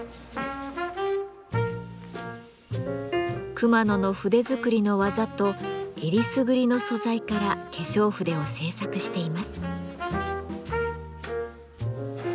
熊野の筆作りの技とえりすぐりの素材から化粧筆を製作しています。